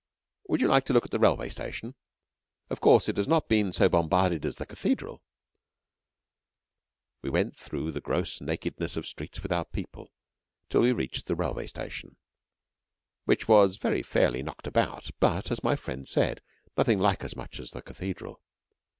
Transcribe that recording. Would you like to look at the railway station? Of course, it has not been so bombarded as the cathedral." We went through the gross nakedness of streets without people, till we reached the railway station, which was very fairly knocked about, but, as my friends said, nothing like as much as the cathedral.